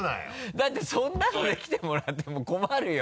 だってそんなので来てもらっても困るよ。